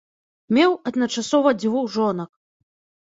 Меў адначасова дзвюх жонак.